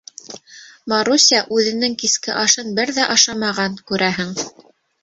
Маруся үҙенең киске ашын бер ҙә ашамаған, күрәһең.